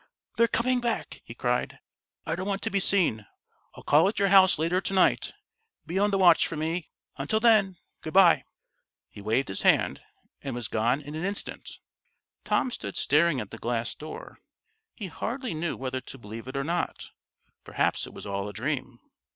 "They're coming back!" he cried. "I don't want to be seen. I'll call at your house later to night be on the watch for me until then good by!" He waved his hand, and was gone in an instant. Tom stood staring at the glass door. He hardly knew whether to believe it or not perhaps it was all a dream.